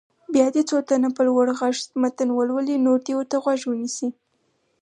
بیا دې څو تنه په لوړ غږ متن ولولي نور دې ورته غوږ ونیسي.